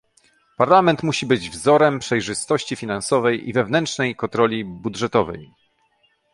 Parlament musi być wzorem przejrzystości finansowej i wewnętrznej kontroli budżetowej